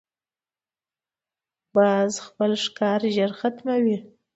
باز خپل ښکار ژر ختموي